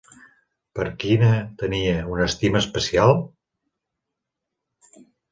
Per quina tenia una estima especial?